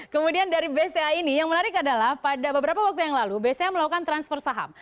kemudian dari bca ini yang menarik adalah pada beberapa waktu yang lalu bca melakukan transfer saham